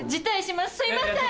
すいません！